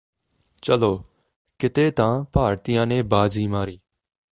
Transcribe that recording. ਚਲੋ ਕਿਤੇ ਤਾਂ ਭਾਰਤੀਆਂ ਨੇ ਬਾਜ਼ੀ ਮਾਰੀ